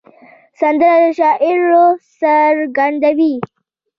سندره د شاعر روح څرګندوي